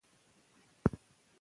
مشوره د اړیکو د ښه والي سبب دی.